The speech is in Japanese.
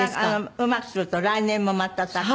うまくすると来年もまた。